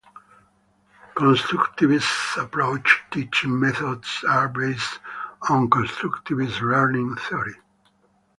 Constructivist approach teaching methods are based on constructivist learning theory.